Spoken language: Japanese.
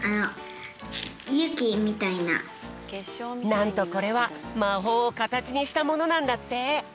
なんとこれはまほうをかたちにしたものなんだって！